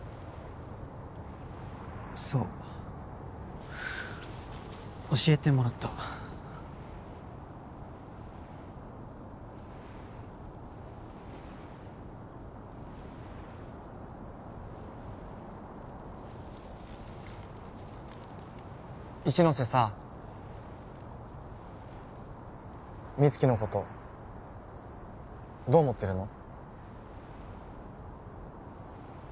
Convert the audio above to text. そう教えてもらった一ノ瀬さ美月のことどう思ってるの？